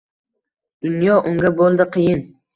Dunyo unga boʼldi qiyin.